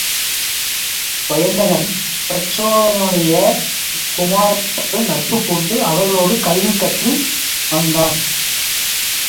வயந்தகன் பிரச்சோதனனுடைய குமாரர்களோடு நட்புப் பூண்டு, அவர்களோடு கல்வி கற்று வந்தான்.